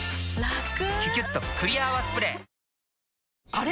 あれ？